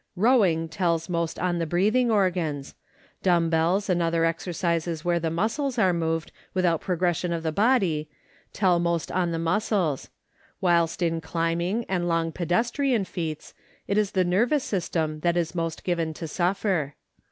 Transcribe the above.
Bowing tells most on the breathing organs ; dumb bells and other exer cises where the muscles are moved without progression of the body, tell most on the muscles ; whilst in climbing and long pedestrian feats it is the nervous system that is most given to suffer.